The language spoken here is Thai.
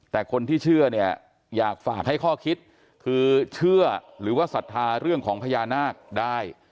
แต่คนที่เชื่อเนี่ยอยากฝากให้ข้อคิดคือเชื่อหรือว่าศรัทธาเรื่องของพญานาคได้